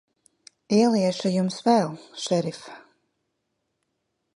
Ieliešu Jums vēl, šerif.